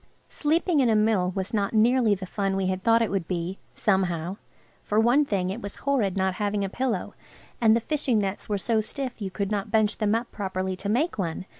Sleeping in a mill was not nearly the fun we had thought it would be–somehow. For one thing, it was horrid not having a pillow, and the fishing nets were so stiff you could not bunch them up properly to make one.